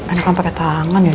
anak anak pake tangan ya